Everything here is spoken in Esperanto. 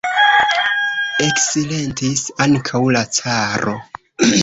Eksilentis ankaŭ la caro.